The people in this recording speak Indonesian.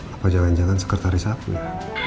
apa jangan jangan sekretaris aku ya